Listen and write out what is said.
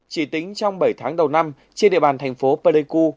chỉ tính trong bảy tháng đầu năm trên địa bàn thành phố pleiku